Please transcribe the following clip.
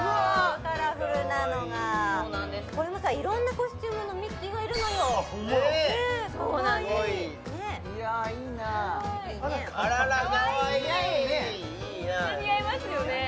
カラフルなのがそうなんですこれもさ色んなコスチュームのミッキーがいるのよホンマやそうなんですいやいいな似合うねめっちゃ似合いますよね